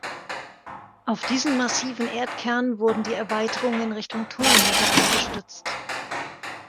Auf diesen massiven Erdkern wurden die Erweiterungen in Richtung Tunnelmitte abgestützt.